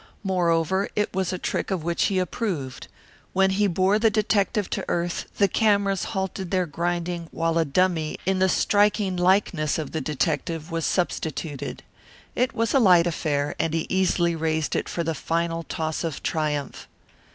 Moreover, it was a trick of which he approved. When he bore the detective to earth the cameras halted their grinding while a dummy in the striking likeness of the detective was substituted. It was a light affair, and he easily raised it for the final toss of triumph.